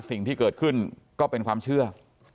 สิ่งที่เกิดขึ้นก็เป็นความเชื่อ